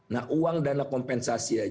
nah uang dana kompensasi